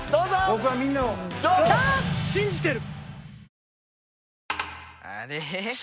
僕はみんなを信じてる！